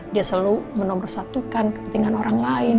dia selalu menomorsatukan kepentingan orang lain